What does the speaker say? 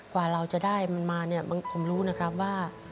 กว่าเราจะได้มันมาเนี่ยผมรู้นะครับว่า